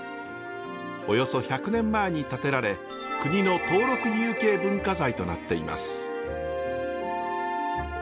およそ１００年前に建てられ国の登録有形文化財となっています。